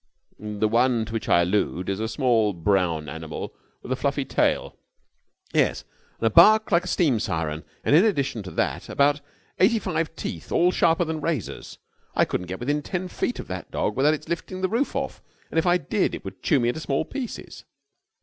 "The one to which I allude is a small brown animal with a fluffy tail." "Yes, and a bark like a steam siren, and, in addition to that, about eighty five teeth, all sharper than razors. I couldn't get within ten feet of that dog without its lifting the roof off, and, if I did, it would chew me into small pieces."